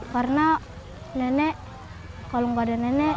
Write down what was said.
karena nenek kalau nggak ada nenek